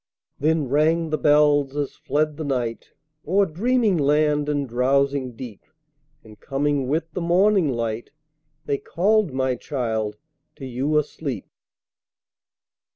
Then rang the bells as fled the night O'er dreaming land and drowsing deep, And coming with the morning light, They called, my child, to you asleep.